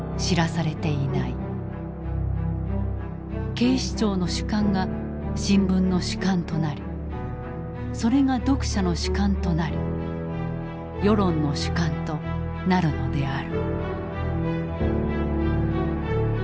警視庁の主観が新聞の主観となりそれが読者の主観となり世論の主観となるのである」。